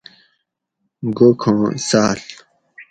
گوکھاں ساۤل